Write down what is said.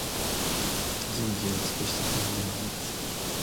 人事を尽くして天命を待つ